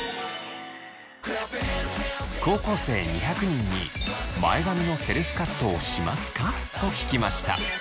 高校生２００人に「前髪のセルフカットをしますか？」と聞きました。